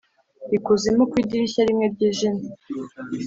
ikuzimu ku idirishya rimwe ryijimye;